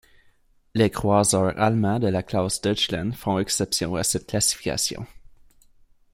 Les croiseurs allemands de la classe Deutschland font exception à cette classification.